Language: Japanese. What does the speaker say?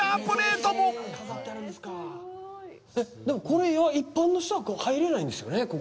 でもこれは一般の人は入れないんですよね